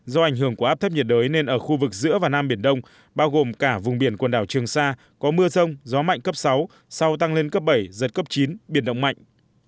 do ảnh hưởng của áp thấp nhiệt đới nên ở khu vực giữa và nam biển đông bao gồm cả vùng biển quần đảo trường sa có mưa rông gió mạnh cấp sáu sau tăng lên cấp bảy giật cấp chín biển động mạnh